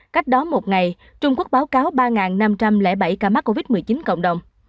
cách đó một ngày trung quốc báo cáo ba năm trăm linh bảy ca mắc covid một mươi chín cộng đồng